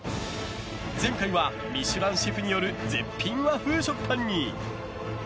前回は「ミシュラン」シェフによる絶品和風食パンに。